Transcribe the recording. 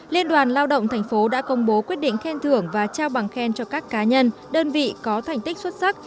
liên đoàn lao động thành phố đã công bố quyết định khen thưởng và trao bằng khen cho các cá nhân đơn vị có thành tích xuất sắc